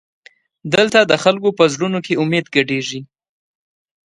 دلته د خلکو په زړونو کې امید ګډېږي.